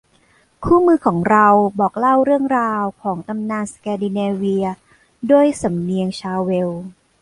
คู่มือของเราบอกเล่าเรื่องราวของตำนานสแกนดิเนเวียด้วยสำเนียงชาวเวลส์